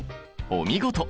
お見事！